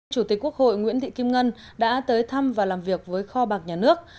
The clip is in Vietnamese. chủ tịch quốc hội nguyễn thị kim ngân đã tới thăm và làm việc với kho bạc nhà nước